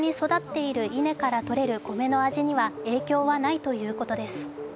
ただ、枯れずに育つ稲からとれる米の味には影響はないということです。